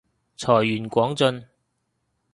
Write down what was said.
財源廣進